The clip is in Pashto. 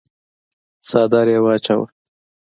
څادر يې واچاوه.